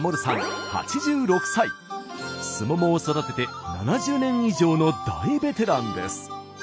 すももを育てて７０年以上の大ベテランです。